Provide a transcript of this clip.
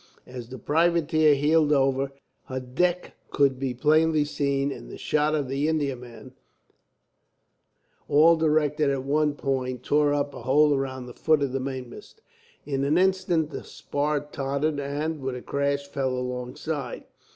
As the privateer heeled over, her deck could be plainly seen, and the shot of the Indiaman, all directed at one point, tore up a hole around the foot of the mainmast. In an instant the spar tottered and, with a crash, fell alongside.